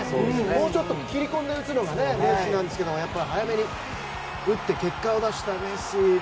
もうちょっと切り込んで打つのがメッシなんですが早めに打って結果を出したメッシ。